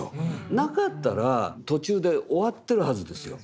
なかったら途中で終わってるはずですよ。